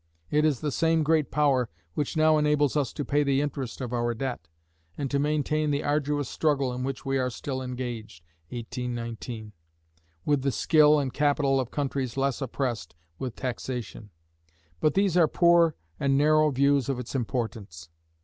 It is the same great power which now enables us to pay the interest of our debt, and to maintain the arduous struggle in which we are still engaged (1819), with the skill and capital of countries less oppressed with taxation. But these are poor and narrow views of its importance.